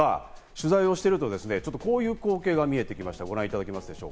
取材をしていると、こういう光景が見えてきました。